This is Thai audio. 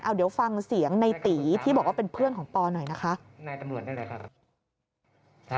เดี๋ยวฟังเสียงในตีที่บอกว่าเป็นเพื่อนของปอหน่อยนะคะ